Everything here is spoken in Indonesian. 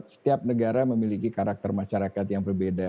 setiap negara memiliki karakter masyarakat yang berbeda